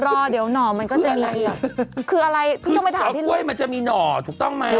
โอ๊ยรอเดี๋ยวหน่อมันก็จะมีอีกคืออะไรพี่ต้องไปถามที่นี่เลยคืออะไรสาวกล้วยมันจะมีหน่อถูกต้องไหม